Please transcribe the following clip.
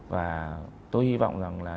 và tôi hy vọng rằng